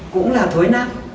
cũng là thối nát